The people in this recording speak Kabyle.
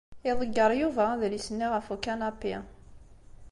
Iḍeyyeṛ Yuba adlis-nni ɣef ukanapi.